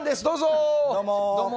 どうも。